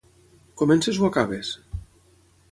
Comences o acabes?